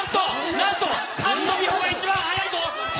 なんと菅野美穂が一番速いぞ！